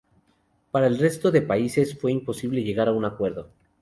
Para el resto de países fue imposible llegar a un acuerdo.